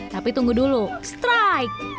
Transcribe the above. tapi tunggu dulu strike